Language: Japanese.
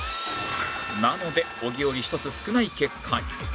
なので小木より１つ少ない結果に